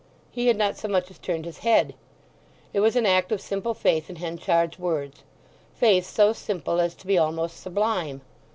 He had not so much as turned his head. It was an act of simple faith in Henchard's words—faith so simple as to be almost sublime.